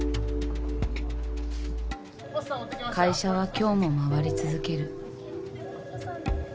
会社は今日も回り続ける。